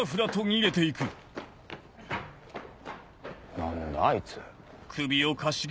何だあいつ。